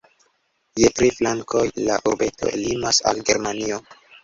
Je tri flankoj la urbeto limas al Germanio.